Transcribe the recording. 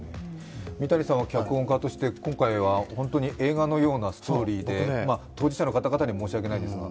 三谷さんは脚本家として今回は映画のようなストーリーで、当事者の方々には申し訳ないですが。